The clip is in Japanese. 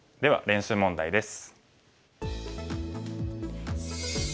練習問題です。